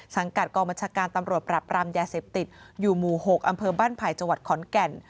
กัดกองบัญชาการตำรวจปรับรามยาเสพติดอยู่หมู่๖อำเภอบ้านไผ่จังหวัดขอนแก่น